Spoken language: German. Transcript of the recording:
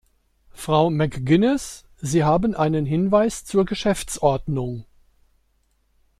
Frau McGuinness, sie haben einen Hinweis zur Geschäftsordnung.